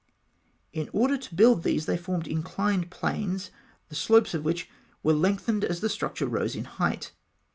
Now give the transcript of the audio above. In order to build these, they formed inclined planes, the slopes of which were lengthened as the structure rose in height.